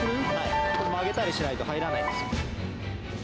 曲げたりしないと入らないんですよ。